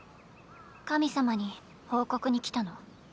神様に報告に来たの。